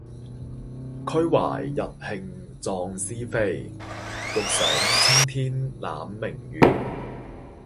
俱懷逸興壯思飛，欲上青天攬明月